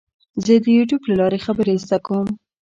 زه د یوټیوب له لارې خبرې زده کوم.